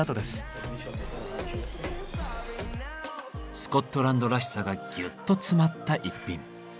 スコットランドらしさがぎゅっと詰まった一品。